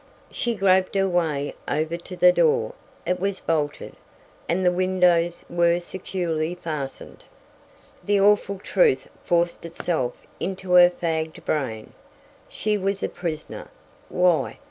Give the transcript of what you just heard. She groped her way over to the door. It was bolted, and the windows were securely fastened. The awful truth forced itself into her fagged brain. She was a prisoner! Why?